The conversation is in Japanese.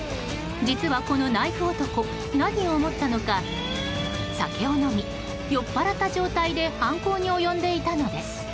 実は、このナイフ男何を思ったのか酒を飲み酔っぱらった状態で犯行に及んでいたのです。